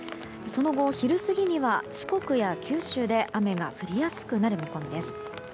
その後、昼過ぎには四国や九州で雨が降りやすくなる見込みです。